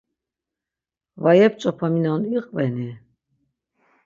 Va yep̌ç̌opaminon iqveni?